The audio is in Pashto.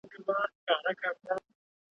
چي غوايي ته دي هم کله چل په زړه سي .